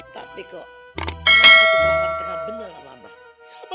tapi kok emang itu bukan kena bener sama abah